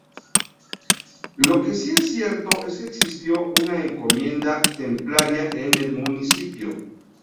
Lo que sí es cierto es que existió una encomienda templaria en el municipio.